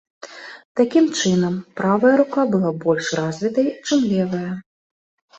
Такім чынам, правая рука была больш развітай, чым левая.